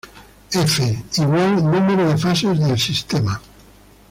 F= Número de fases del sistema.